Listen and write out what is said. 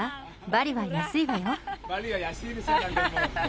バリは安いわよ。